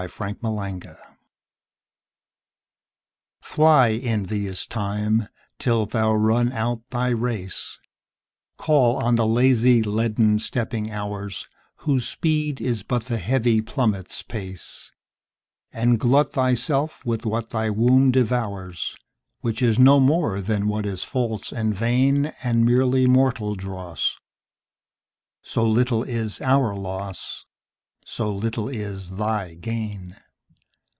205 On Time FLY, envious Time, till thou run out thy race:Call on the lazy leaden stepping Hours, Whose speed is but the heavy plummet's pace; And glut thyself with what thy womb devours, Which is no more than what is false and vain, And merely mortal dross; So little is our loss, So little is thy gain!